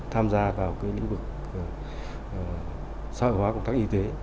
tham gia vào lĩnh vực xã hội hóa công tác y tế